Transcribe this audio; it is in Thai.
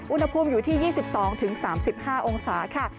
อุณหภูมิอยู่ที่๒๒๓๕องศาค่ะ